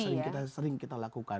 dan apa yang sering kita lakukan